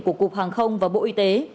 của cục hàng không và bộ y tế